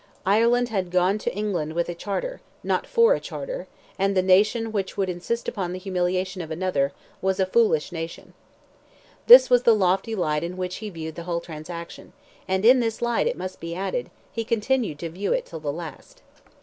Ireland had gone to England with a charter, not for a charter, and the nation which would insist upon the humiliation of another, was a foolish nation. This was the lofty light in which he viewed the whole transaction, and in this light, it must be added, he continued to view it till the last.